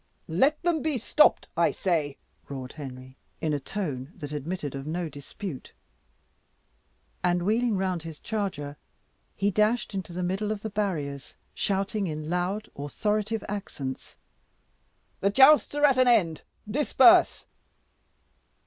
"Let them he stopped I say!" roared Henry, in a tone that admitted of no dispute. And wheeling round his charger, he dashed into the middle of the barriers, shouting in loud, authoritative accents, "The jousts are at an end! Disperse!"